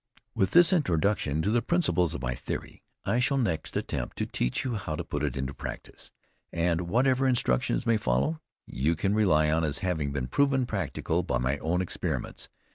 With this introduction to the principles of my theory, I shall next attempt to teach you how to put it into practice, and whatever instructions may follow, you can rely on as having been proven practical by my own experiments.